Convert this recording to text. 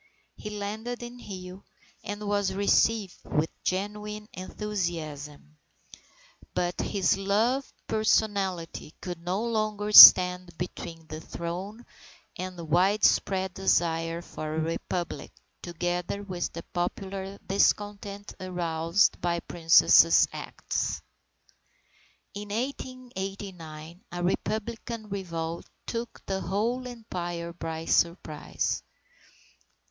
He landed in Rio, and was received with genuine enthusiasm. But his loved personality could no longer stand between the throne and the widespread desire for a Republic together with the popular discontent aroused by the Princess's acts. In 1889, a Republican revolt took the whole Empire by surprise.